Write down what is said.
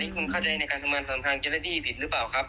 คุณเข้าใจในการทำรังเรียนชำนภัณฑ์ยาลาดี้ผิดหรือเปล่าครับ